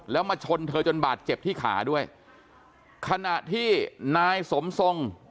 แล้วมาชนเธอจนบาดเจ็บที่ขาด้วยขณะที่นายสมทรง